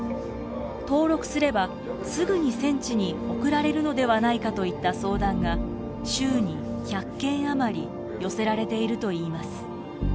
登録すればすぐに戦地に送られるのではないかといった相談が週に１００件余り寄せられているといいます。